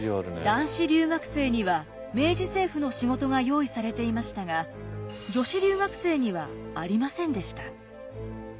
男子留学生には明治政府の仕事が用意されていましたが女子留学生にはありませんでした。